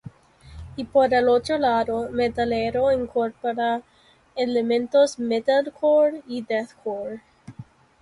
Y por el otro lado metalero incorpora elementos metalcore y deathcore.